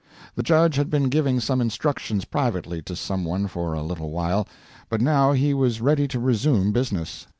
The judge had been giving some instructions privately to someone for a little while, but now he was ready to resume business.